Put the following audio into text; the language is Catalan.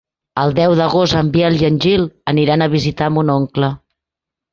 El deu d'agost en Biel i en Gil aniran a visitar mon oncle.